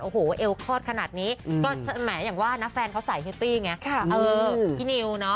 โอ้โหวเอวคลอดขนาดนี้แฟนเขาใส่ฮิปปี้ไงพี่นิ้วนะ